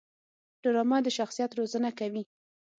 ډرامه د شخصیت روزنه کوي